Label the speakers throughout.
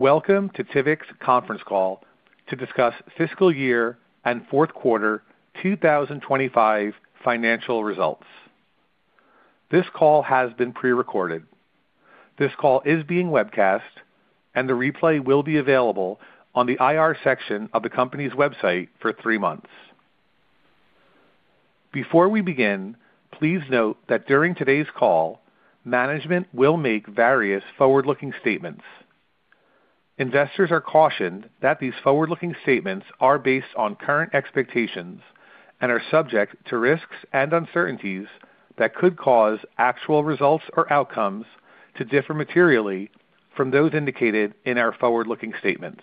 Speaker 1: Welcome to Tivic's conference call to discuss fiscal year and fourth quarter 2025 financial results. This call has been pre-recorded. This call is being webcast, and the replay will be available on the IR section of the company's website for three months. Before we begin, please note that during today's call, management will make various forward-looking statements. Investors are cautioned that these forward-looking statements are based on current expectations and are subject to risks and uncertainties that could cause actual results or outcomes to differ materially from those indicated in our forward-looking statements.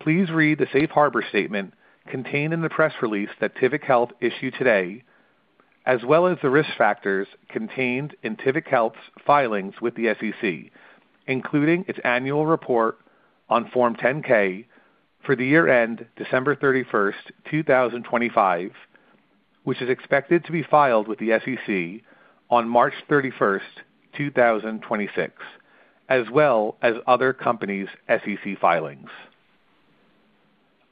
Speaker 1: Please read the safe harbor statement contained in the press release that Tivic Health issued today, as well as the risk factors contained in Tivic Health's filings with the SEC, including its annual report on Form 10-K for the year end December 31st, 2025, which is expected to be filed with the SEC on March 31st, 2026, as well as other companies' SEC filings.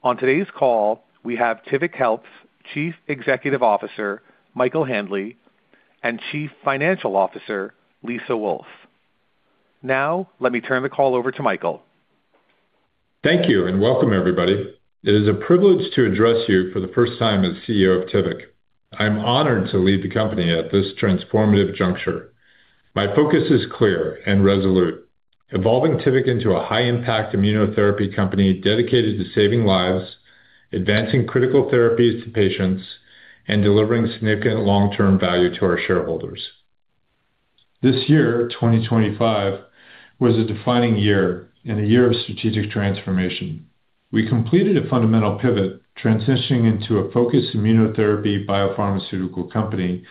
Speaker 1: On today's call, we have Tivic Health's Chief Executive Officer, Michael Handley, and Chief Financial Officer, Lisa Wolf. Now, let me turn the call over to Michael.
Speaker 2: Thank you, and welcome everybody. It is a privilege to address you for the first time as CEO of Tivic. I'm honored to lead the company at this transformative juncture. My focus is clear and resolute. Evolving Tivic into a high-impact immunotherapy company dedicated to saving lives, advancing critical therapies to patients, and delivering significant long-term value to our shareholders. This year, 2025, was a defining year and a year of strategic transformation. We completed a fundamental pivot, transitioning into a focused immunotherapy biopharmaceutical company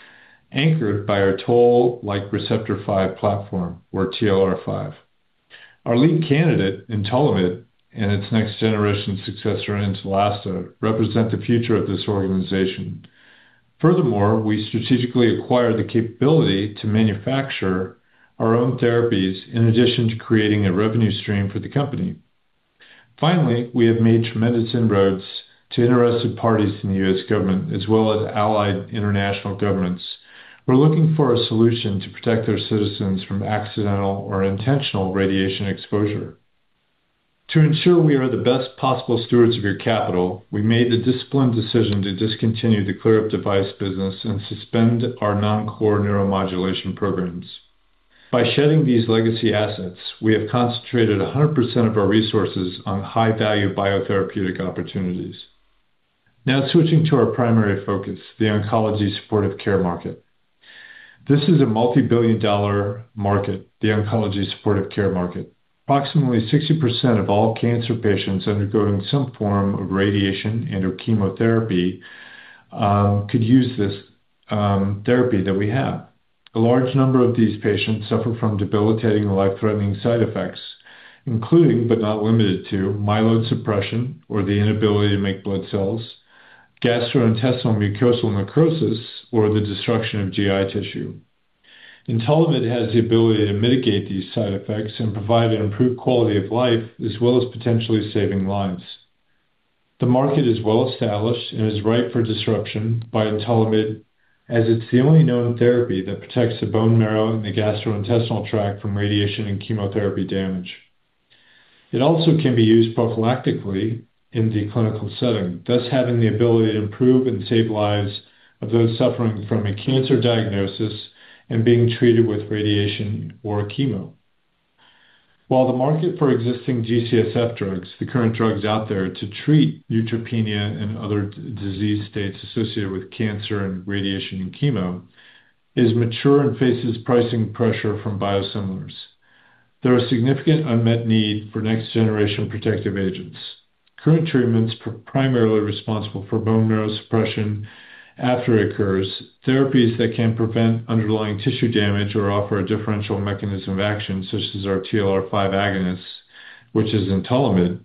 Speaker 2: anchored by our toll-like receptor 5 platform or TLR5. Our lead candidate, Entolimod, and its next generation successor Entolasta represent the future of this organization. Furthermore, we strategically acquired the capability to manufacture our own therapies in addition to creating a revenue stream for the company. Finally, we have made tremendous inroads to interested parties in the U.S. government, as well as allied international governments who are looking for a solution to protect their citizens from accidental or intentional radiation exposure. To ensure we are the best possible stewards of your capital, we made the disciplined decision to discontinue the ClearUP device business and suspend our non-core neuromodulation programs. By shedding these legacy assets, we have concentrated 100% of our resources on high-value biotherapeutic opportunities. Now switching to our primary focus, the oncology supportive care market. This is a multi-billion-dollar market, the oncology supportive care market. Approximately 60% of all cancer patients undergoing some form of radiation and/or chemotherapy could use this therapy that we have. A large number of these patients suffer from debilitating or life-threatening side effects, including but not limited to myeloid suppression or the inability to make blood cells, gastrointestinal mucosal necrosis, or the destruction of GI tissue. Entolimod has the ability to mitigate these side effects and provide an improved quality of life, as well as potentially saving lives. The market is well established and is ripe for disruption by Entolimod, as it's the only known therapy that protects the bone marrow and the gastrointestinal tract from radiation and chemotherapy damage. It also can be used prophylactically in the clinical setting, thus having the ability to improve and save lives of those suffering from a cancer diagnosis and being treated with radiation or chemo. While the market for existing G-CSF drugs, the current drugs out there to treat neutropenia and other disease states associated with cancer and radiation and chemo, is mature and faces pricing pressure from biosimilars. There are significant unmet need for next generation protective agents. Current treatments primarily responsible for bone marrow suppression after it occurs, therapies that can prevent underlying tissue damage or offer a differential mechanism of action, such as our TLR5 agonists, which is Entolimod,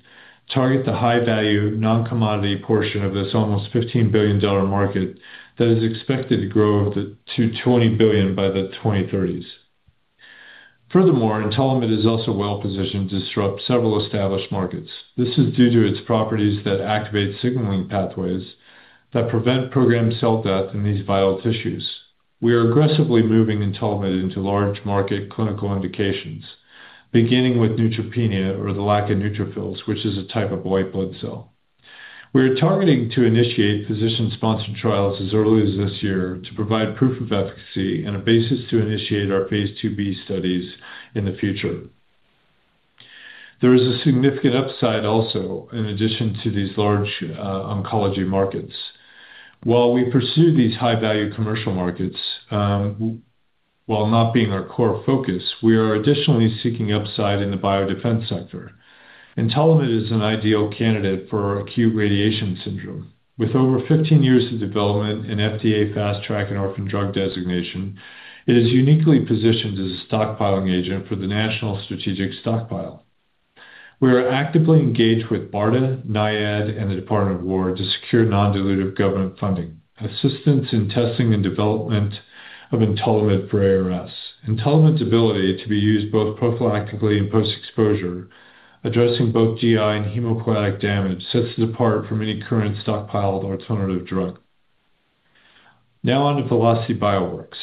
Speaker 2: target the high-value, non-commodity portion of this almost $15 billion market that is expected to grow to $20 billion by the 2030s. Furthermore, Entolimod is also well positioned to disrupt several established markets. This is due to its properties that activate signaling pathways that prevent programmed cell death in these vital tissues. We are aggressively moving Entolimod into large market clinical indications, beginning with neutropenia or the lack of neutrophils, which is a type of white blood cell. We are targeting to initiate physician-sponsored trials as early as this year to provide proof of efficacy and a basis to initiate our phase II-B studies in the future. There is a significant upside also in addition to these large oncology markets. While we pursue these high-value commercial markets, while not being our core focus, we are additionally seeking upside in the biodefense sector. Entolimod is an ideal candidate for acute radiation syndrome. With over 15 years of development in FDA Fast Track and Orphan Drug Designation, it is uniquely positioned as a stockpiling agent for the Strategic National Stockpile. We are actively engaged with BARDA, NIAID, and the Department of War to secure non-dilutive government funding, assistance in testing and development of Entolimod for ARS. Entolimod's ability to be used both prophylactically and post-exposure, addressing both GI and hematopoietic damage, sets it apart from any current stockpiled alternative drug. Now on to Velocity Bioworks.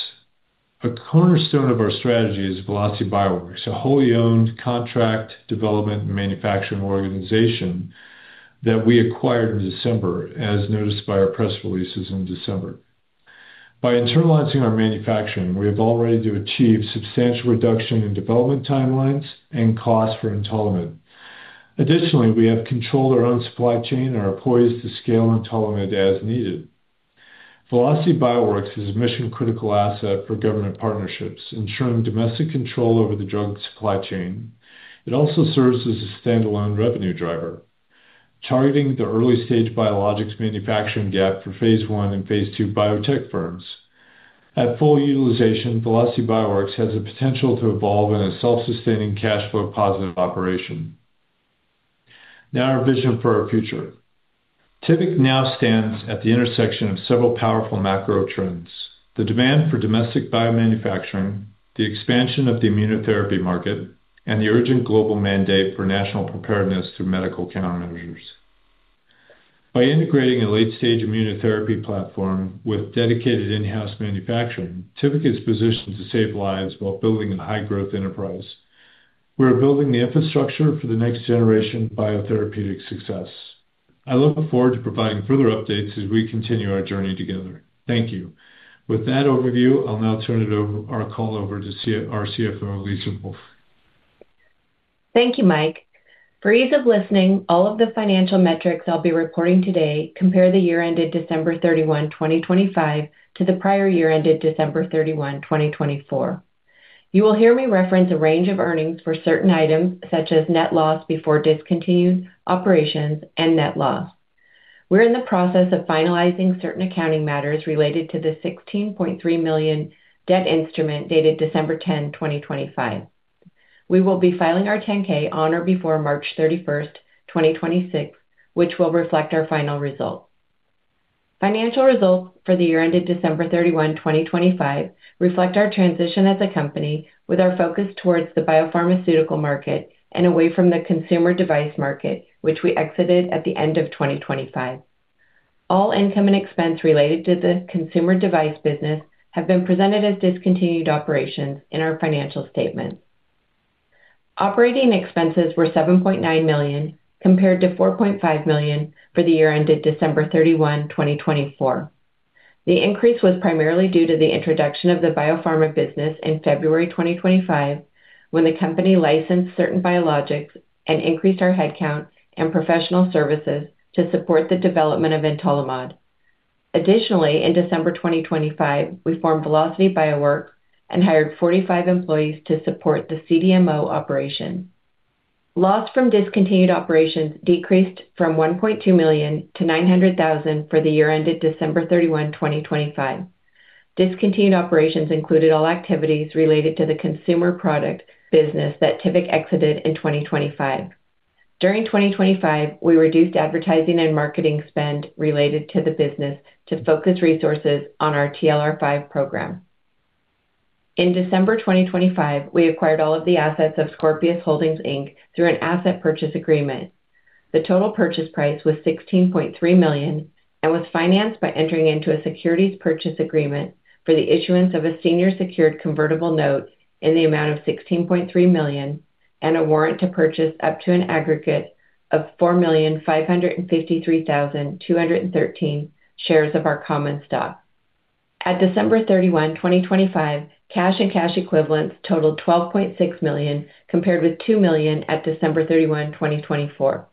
Speaker 2: A cornerstone of our strategy is Velocity Bioworks, a wholly owned contract development and manufacturing organization that we acquired in December, as announced in our press releases in December. By internalizing our manufacturing, we have already achieved substantial reduction in development timelines and costs for Entolimod. Additionally, we have controlled our own supply chain and are poised to scale Entolimod as needed. Velocity Bioworks is a mission-critical asset for government partnerships, ensuring domestic control over the drug supply chain. It also serves as a standalone revenue driver targeting the early-stage biologics manufacturing gap for phase I and phase II biotech firms. At full utilization, Velocity Bioworks has the potential to evolve in a self-sustaining cash flow positive operation. Now our vision for our future: Tivic now stands at the intersection of several powerful macro trends: the demand for domestic biomanufacturing, the expansion of the immunotherapy market, and the urgent global mandate for national preparedness through medical countermeasures. By integrating a late-stage immunotherapy platform with dedicated in-house manufacturing, Tivic is positioned to save lives while building a high-growth enterprise. We are building the infrastructure for the next generation of biotherapeutic success. I look forward to providing further updates as we continue our journey together. Thank you. With that overview, I'll now turn our call over to our CFO, Lisa Wolf.
Speaker 3: Thank you, Mike. For ease of listening, all of the financial metrics I'll be reporting today compare the year ended December 31, 2025 to the prior year ended December 31, 2024. You will hear me reference a range of earnings for certain items, such as net loss before discontinued operations and net loss. We're in the process of finalizing certain accounting matters related to the $16.3 million debt instrument dated December 10, 2025. We will be filing our 10-K on or before March 31st, 2026, which will reflect our final results. Financial results for the year ended December 31, 2025 reflect our transition as a company with our focus towards the biopharmaceutical market and away from the consumer device market, which we exited at the end of 2025. All income and expense related to the consumer device business have been presented as discontinued operations in our financial statement. Operating expenses were $7.9 million, compared to $4.5 million for the year ended December 31, 2024. The increase was primarily due to the introduction of the biopharma business in February 2025, when the company licensed certain biologics and increased our headcount and professional services to support the development of Entolimod. Additionally, in December 2025, we formed Velocity Bioworks and hired 45 employees to support the CDMO operation. Loss from discontinued operations decreased from $1.2 million to $900,000 for the year ended December 31, 2025. Discontinued operations included all activities related to the consumer product business that Tivic exited in 2025. During 2025, we reduced advertising and marketing spend related to the business to focus resources on our TLR5 program. In December 2025, we acquired all of the assets of Scorpius Holdings, Inc through an asset purchase agreement. The total purchase price was $16.3 million and was financed by entering into a securities purchase agreement for the issuance of a senior secured convertible note in the amount of $16.3 million and a warrant to purchase up to an aggregate of 4,553,213 shares of our common stock. At December 31, 2025, cash and cash equivalents totaled $12.6 million, compared with $2 million at December 31, 2024.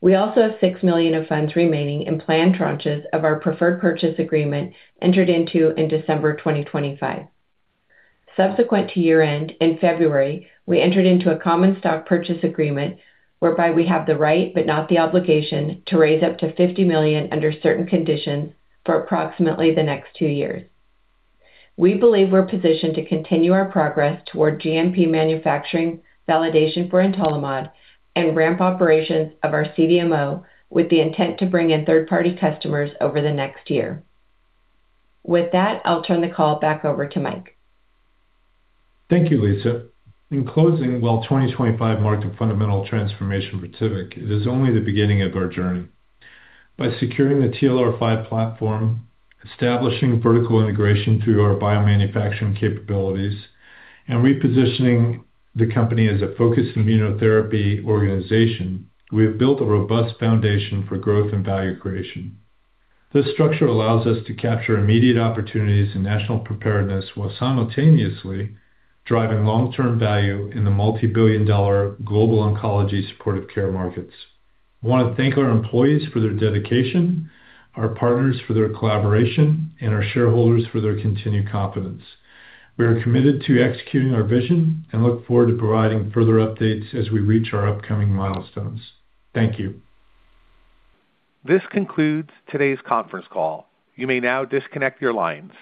Speaker 3: We also have $6 million of funds remaining in planned tranches of our preferred purchase agreement entered into in December 2025. Subsequent to year-end, in February, we entered into a common stock purchase agreement whereby we have the right, but not the obligation, to raise up to $50 million under certain conditions for approximately the next two years. We believe we're positioned to continue our progress toward GMP manufacturing validation for Entolimod and ramp operations of our CDMO with the intent to bring in third-party customers over the next year. With that, I'll turn the call back over to Mike.
Speaker 2: Thank you, Lisa. In closing, while 2025 marked a fundamental transformation for Tivic, it is only the beginning of our journey. By securing the TLR5 platform, establishing vertical integration through our biomanufacturing capabilities, and repositioning the company as a focused immunotherapy organization, we have built a robust foundation for growth and value creation. This structure allows us to capture immediate opportunities in national preparedness while simultaneously driving long-term value in the multi-billion dollar global oncology supportive care markets. I want to thank our employees for their dedication, our partners for their collaboration, and our shareholders for their continued confidence. We are committed to executing our vision and look forward to providing further updates as we reach our upcoming milestones. Thank you.
Speaker 1: This concludes today's conference call. You may now disconnect your lines.